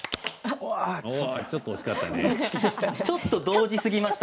ちょっと惜しかったね。